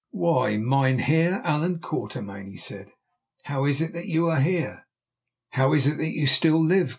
"Why, Mynheer Allan Quatermain," he said, "how is it that you are here? How is it that you still live?